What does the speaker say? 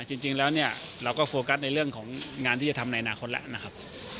จริงแล้วเนี่ยเราก็โฟกัสในเรื่องของงานที่จะทำในอนาคตแล้วนะครับ